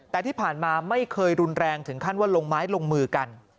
แต่ที่ผ่านมาไม่เคยรุนแรงถึงขั้นว่าลงไม้ลงมือกัน